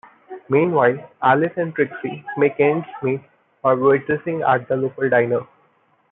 Meanwhile, Alice and Trixie make ends meet by waitressing at the local diner.